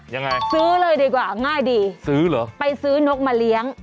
ยังไงซื้อเลยดีกว่าง่ายดีซื้อเหรอไปซื้อนกมาเลี้ยง